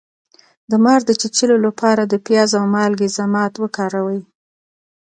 د مار د چیچلو لپاره د پیاز او مالګې ضماد وکاروئ